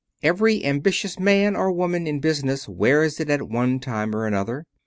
Every ambitious man or woman in business wears it at one time or another.